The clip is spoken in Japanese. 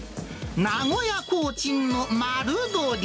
名古屋コーチンの丸鶏。